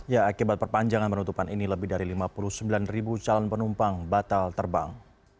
ya akibat perpanjangan penutupan ini lebih dari lima puluh sembilan calon penumpang batal terbang